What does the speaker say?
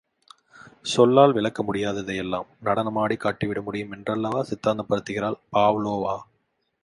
சொல்லால் விளக்க முடியாததை எல்லாம் நடனம் ஆடிக்காட்டிவிட முடியும் என்றல்லவா சித்தாந்தப்படுத்துகிறாள் பாவ்லோவா!